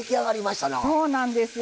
そうなんですよ。